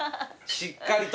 しっかりと。